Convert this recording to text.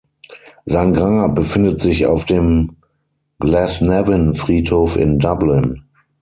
Sein Grab befindet sich auf dem Glasnevin-Friedhof in Dublin.